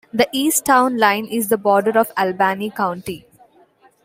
The east town line is the border of Albany County.